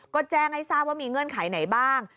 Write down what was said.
ก็แจ้งให้ทราบว่ามีเงื่อนไขไหนบ้าง